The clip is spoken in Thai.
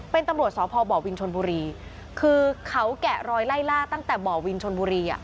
เป็นตำรวจสพบวินชนบุรีคือเขาแกะรอยไล่ล่าตั้งแต่บ่อวินชนบุรีอ่ะ